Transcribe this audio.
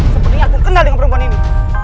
sepertinya aku kenal dengan perempuan ini